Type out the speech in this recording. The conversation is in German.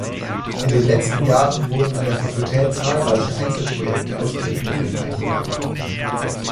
In den letzten Jahren wurden an der Fakultät zahlreiche Einzelprojekte aus Drittmitteln eingeworben.